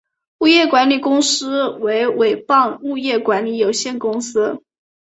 物业管理公司为伟邦物业管理有限公司。